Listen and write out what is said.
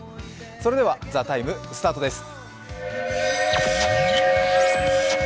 それでは「ＴＨＥＴＩＭＥ，」スタートです